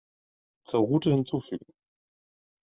Zur Route hinzufügen.